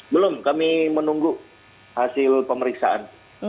belum kami menunggu hasil pemeriksaan